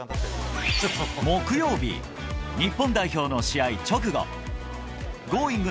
木曜日、日本代表の試合直後、Ｇｏｉｎｇ！